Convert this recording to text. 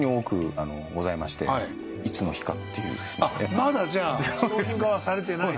まだじゃあ商品化はされてない。